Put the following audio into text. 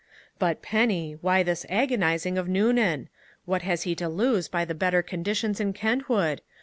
"But, Penny, why this agonizing of Noonan? What has he to lose by the better conditions in Kentwood?